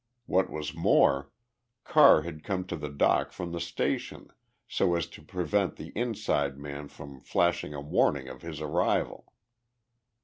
What was more, Carr had come to the dock from the station, so as to prevent the "inside man" from flashing a warning of his arrival.